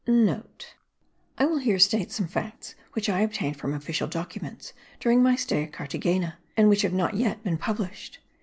*(* I will here state some facts which I obtained from official documents during my stay at Carthagena, and which have not yet been published.